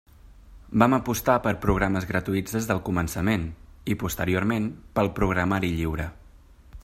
Vam apostar per programes gratuïts des del començament, i posteriorment pel programari lliure.